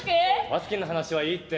バスケの話はいいって！